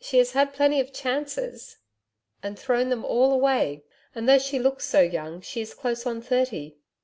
'She has had plenty of chances.' 'And thrown them all away. And though she looks so young, she is close on thirty.